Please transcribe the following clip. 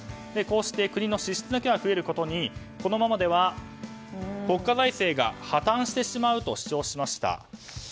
こうして国の支出だけが増えることに対してこのままでは国家財政が破綻してしまうと主張しました。